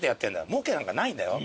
もうけなんかないんだよ。